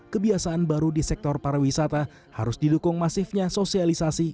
kebiasaan baru di sektor pariwisata harus didukung masifnya sosialisasi